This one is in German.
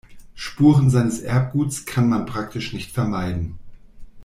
Spuren seines Erbguts kann man praktisch nicht vermeiden.